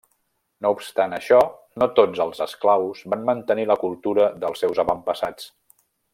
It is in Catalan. No obstant això, no tots els esclaus van mantenir la cultura dels seus avantpassats.